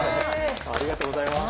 ありがとうございます。